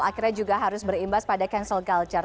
akhirnya juga harus berimbas pada cancel culture